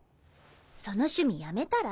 その趣味やめたら？